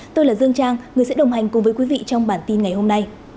tôi là dương trang người sẽ đồng hành cùng với quý vị trong bản tin ngày hôm nay